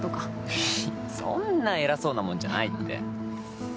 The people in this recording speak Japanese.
フッそんな偉そうなもんじゃないって。